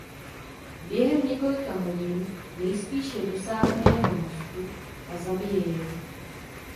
Během několika hodin nejspíše dosáhne jeho mozku a zabije jej.